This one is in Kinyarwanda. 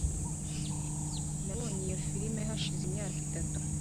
nabonye iyo firime hashize imyaka itatu